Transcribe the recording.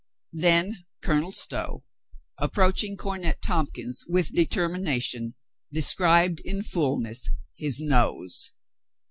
Then Colonel Stow, approaching Cornet Tomp kns with determination, described in fullness his nose.